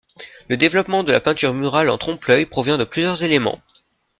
Le développement de la peinture murale en trompe-l'œil provient de plusieurs éléments.